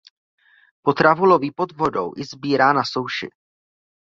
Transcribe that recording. Potravu loví pod vodou i sbírá na souši.